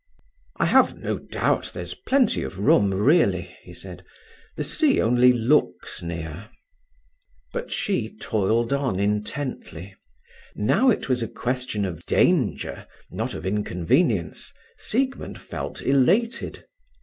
"I have no doubt there's plenty of room, really," he said. "The sea only looks near." But she toiled on intently. Now it was a question of danger, not of inconvenience, Siegmund felt elated.